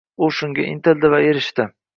U shunga intildi va erishdi.